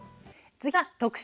次は特集